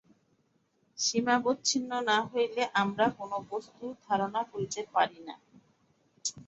সীমাবচ্ছিন্ন না হইলে আমরা কোন বস্তুর ধারণা করিতে পারি না।